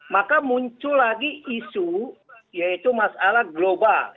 maka muncul lagi isu yaitu masalah global